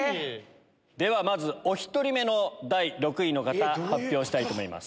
ではまずお１人目の第６位の方発表したいと思います。